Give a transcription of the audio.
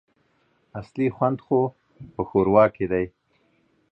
اصلي خوند خو نو په ښوروا کي دی !